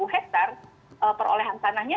hektare perolehan tanahnya